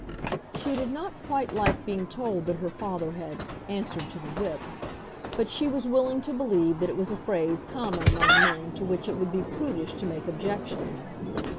She did not quite like being told that her father had "answered to the whip," but she was willing to believe that it was a phrase common among men to which it would be prudish to make objection.